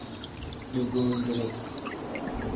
Dugusire.